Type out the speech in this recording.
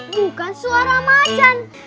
bukan suara macan